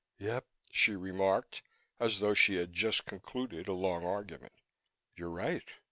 "Yep," she remarked, as though she had just concluded a long argument. "You're right.